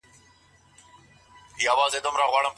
مېرمن بايد ووايي چي دا بحث به وروسته وکړو.